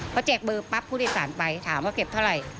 เขาแจกเบอร์ปั๊บผู้โดยสารไปถามว่าเก็บเท่าไหร่